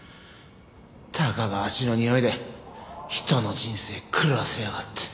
たかが足のにおいで人の人生狂わせやがって。